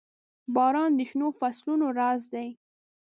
• باران د شنو فصلونو راز دی.